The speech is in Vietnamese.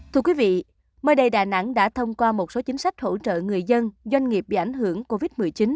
thưa quý vị mới đây đà nẵng đã thông qua một số chính sách hỗ trợ người dân doanh nghiệp bị ảnh hưởng covid một mươi chín